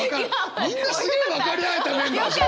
みんなすげえ分かり合えたメンバーじゃん！